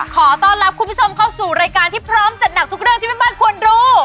ขอต้อนรับคุณผู้ชมเข้าสู่รายการที่พร้อมจัดหนักทุกเรื่องที่แม่บ้านควรรู้